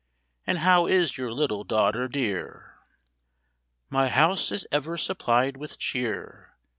" And how is your little daughter dear? "" My house is ever supplied with cheer.